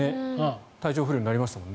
体調不良になりましたよね。